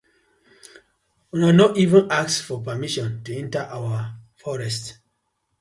Una no even ask for permission to enter our forest.